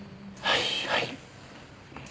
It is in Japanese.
はいはい。